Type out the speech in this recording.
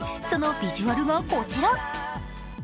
そのビジュアルがこちら。